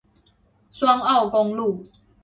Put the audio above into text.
雙澳公路